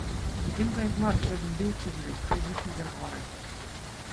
Этем кайӑк мар, ҫӗр ҫинче утса ҫӳрет, хай хыҫҫӑн йӗр хӑварать.